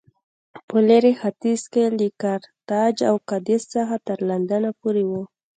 په لېرې ختیځ کې له کارتاج او کادېس څخه تر لندنه پورې و